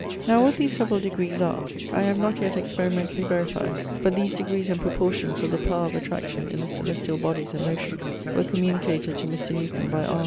Now what these severall degrees are, I have not yet experimentally verified.' _But these degrees and proportions of the power of attraction in the celestiall bodys and motions, were communicated to Mr. Newton by R.